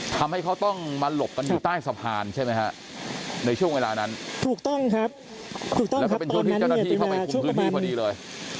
แล้วก็เป็นช่วงที่เจ้าหน้าที่เข้าไปกลุ่มคืนนี้พอดีเลย